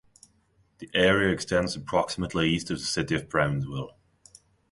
The area extends approximately east of the city of Brownsville.